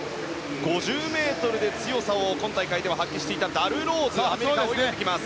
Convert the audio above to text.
５０ｍで強さを今大会発揮していたダル・ローズ、アメリカ泳いできます。